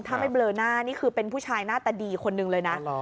ถ้าไม่เบลอหน้านี่คือเป็นผู้ชายหน้าตาดีคนหนึ่งเลยนะ